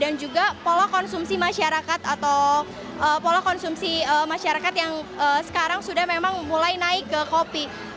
dan juga pola konsumsi masyarakat atau pola konsumsi masyarakat yang sekarang sudah memang mulai naik ke kopi